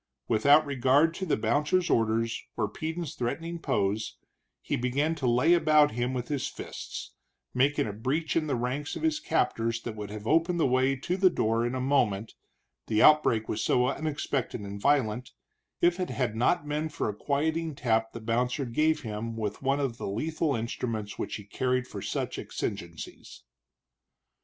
Without regard to the bouncer's orders or Peden's threatening pose, he began to lay about him with his fists, making a breach in the ranks of his captors that would have opened the way to the door in a moment, the outbreak was so unexpected and violent, if it had not been for a quieting tap the bouncer gave him with one of the lethal instruments which he carried for such exigencies.